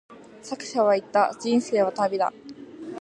作者は言った、人生は旅だ。